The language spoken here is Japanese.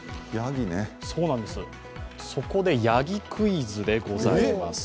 そこで、やぎクイズでございます。